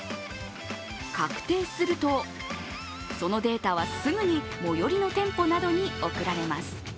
確定すると、そのデータはすぐに最寄りの店舗などに送られます。